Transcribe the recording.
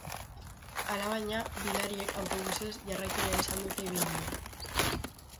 Alabaina, bidariek autobusez jarraitu behar izan dute ibilbidea.